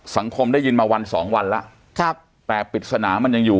สังคมได้ยินมาวันสองวันแล้วครับแต่ปริศนามันยังอยู่